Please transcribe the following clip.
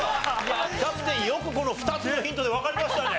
キャプテンよくこの２つのヒントでわかりましたね？